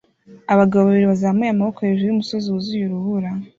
Abagabo babiri bazamuye amaboko hejuru y'umusozi wuzuye urubura